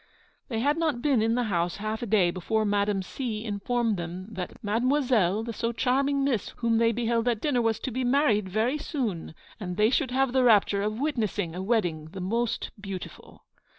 They had not been in the house half a day before Madame C. informed them that 'Mademoiselle, the so charming miss whom they beheld at dinner, was to be married very soon; and they should have the rapture of witnessing a wedding the most beautiful.'